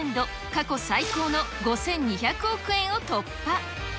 過去最高の５２００億円を突破。